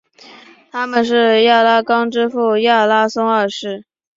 他们是亚拉冈之父亚拉松二世。